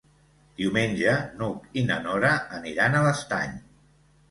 Diumenge n'Hug i na Nora aniran a l'Estany.